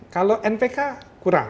kalau npk kurang